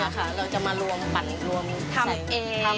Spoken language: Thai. เราจะมาลวมปั่นลวมทำเอง